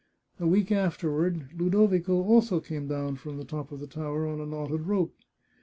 A week afterward Ludovico also came down from the top of the tower on a knotted rope.